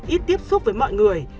ít tiếp xúc với mọi người